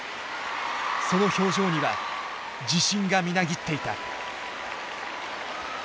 その表情には自信がみなぎっていた。